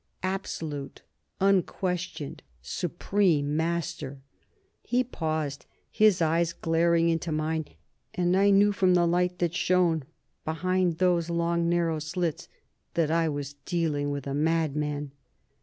Absolute, unquestioned, supreme master!" He paused, his eyes glaring into mine and I knew from the light that shone behind those long, narrow slits, that I was dealing with a madman.